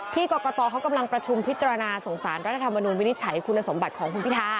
กรกตเขากำลังประชุมพิจารณาส่งสารรัฐธรรมนุนวินิจฉัยคุณสมบัติของคุณพิธา